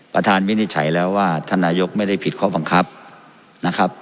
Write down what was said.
วินิจฉัยแล้วว่าท่านนายกไม่ได้ผิดข้อบังคับนะครับ